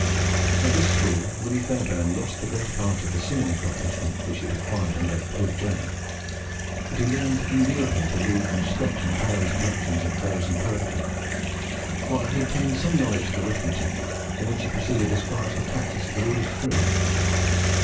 At this school Willie Fairbairn lost the greater part of the singing accomplishments which he had acquired under "Bowed Johnnie," but he learnt in lieu of them to read from Scott and Barrow's collections of prose and poetry, while he obtained some knowledge of arithmetic, in which he proceeded as far as practice and the rule of three.